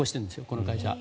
この会社。